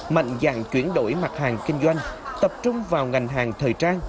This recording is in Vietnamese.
mạnh dạng chuyển đổi mặt hàng kinh doanh tập trung vào ngành hàng thời trang